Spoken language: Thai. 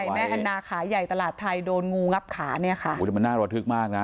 แม่อันนาขายใหญ่ตลาดไทยโดนงูงับขามันน่ารวดทึกมากนะ